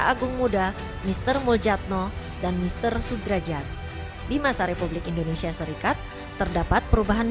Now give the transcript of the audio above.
agung muda mr mujadno dan mr sudrajat di masa republik indonesia serikat terdapat perubahan